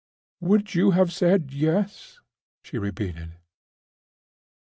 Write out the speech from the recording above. _" "Would you have said Yes?" she repeated.